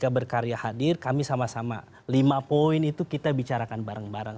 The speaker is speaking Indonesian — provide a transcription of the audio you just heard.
ketika berkarya hadir kami sama sama lima poin itu kita bicarakan bareng bareng